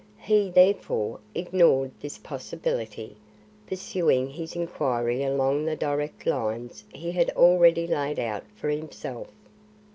He, therefore, ignored this possibility, pursuing his inquiry along the direct lines he had already laid out for himself.